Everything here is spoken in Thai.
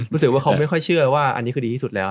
รู้สึกว่าเขาไม่ค่อยเชื่อว่าอันนี้คือดีที่สุดแล้ว